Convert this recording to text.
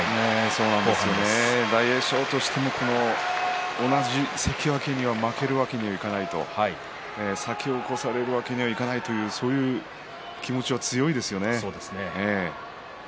そうなんですね大栄翔としても同じ関脇には負けるわけにはいかない、先を越されるわけにはいかないという気持ちは強いですよね。